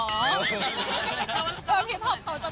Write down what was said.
มีมาสมีลูกคลาวมาก